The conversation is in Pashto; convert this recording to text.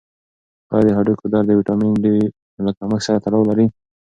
آیا د هډوکو درد د ویټامین ډي له کمښت سره تړاو لري؟